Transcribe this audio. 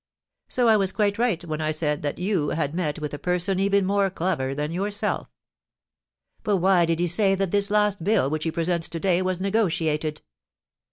So I was quite right when I said that you had met with a person even more clever than yourself." "But why did he say that this last bill which he presents to day was negotiated?"